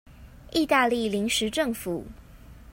義大利臨時政府